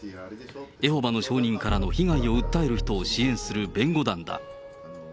エホバの証人からの被害を訴える人を支援する弁護団だ。